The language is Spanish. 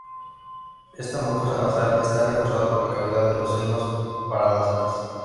Esta mucosa nasal esta reforzada por la cavidad de los senos paranasales.